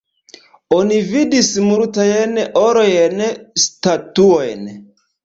Oni vidis multajn orajn statuojn.